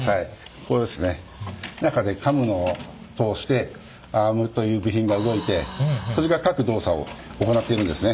これですね中でカムの通してアームという部品が動いてそれが各動作を行っているんですね。